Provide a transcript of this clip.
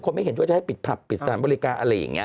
ไม่เห็นว่าจะให้ปิดผับปิดสถานบูริกาอะไรเงี้ย